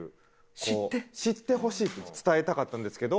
「知ってほしい」っていうのを伝えたかったんですけど。